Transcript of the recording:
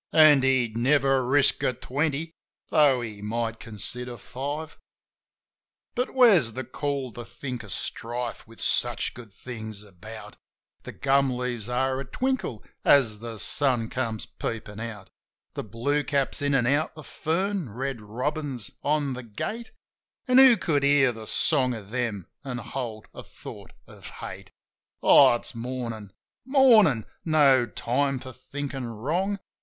An' he'd never risk a twenty — tho' he might consider five. A MORNING SONG 87 But where's the call to think of strife with such good things about ? The gum leaves are a twinkle as the sun comes peepin' out. The blue cap's in an' out the fern, red robin's on the gate, An' who could hear the song of them and hold a thought of hate? Oh, it's Mornin'! Mornin'! No time for thinkin' wrong.